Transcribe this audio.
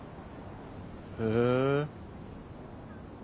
へえ。